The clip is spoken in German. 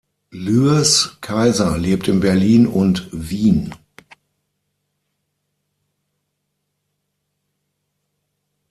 Luehrs-Kaiser lebt in Berlin und Wien.